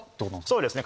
そうですね